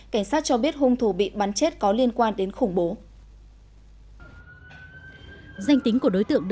cảnh sát cho biết hung thủ bị bắn chết có liên tục